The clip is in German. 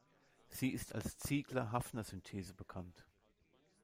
Sie ist als Ziegler-Hafner-Synthese bekannt.